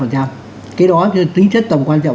cái đó là tính chất tổng quan trọng